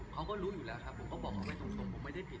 เขาก็รู้อยู่แล้วครับผมก็บอกเขาไปตรงผมไม่ได้ผิด